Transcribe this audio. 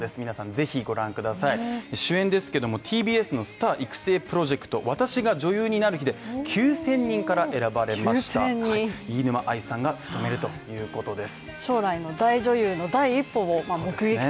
ぜひご覧ください主演ですけどもＴＢＳのスター育成プロジェクト『私が女優になる日＿』で、９０００人から選ばれました飯沼愛さんが務めるということです。